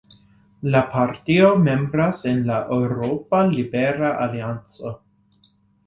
La partio membras en la Eŭropa Libera Alianco.